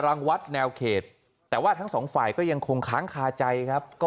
รังวัดแนวเขตแต่ว่าทั้งสองฝ่ายก็ยังคงค้างคาใจครับก็